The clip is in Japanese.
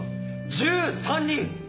１３人！